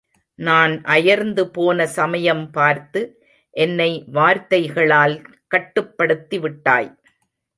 நான் அயர்ந்து போன சமயம் பார்த்து, என்னை வார்த்தைகளால் கட்டுப்படுத்திவிட்டாய்.